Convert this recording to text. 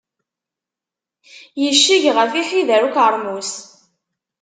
Yecceg ɣef iḥider ukermus.